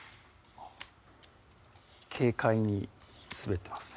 軽快に滑ってますね